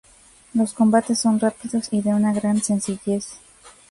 Los combates son rápidos y de una gran sencillez.